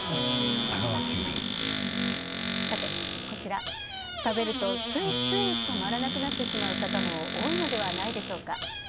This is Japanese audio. こちら、食べるとついつい止まらなくなってしまう方も多いのではないでしょうか。